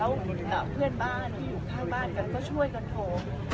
แล้วกับเพื่อนบ้านที่อยู่ข้างบ้านกันก็ช่วยกันโทร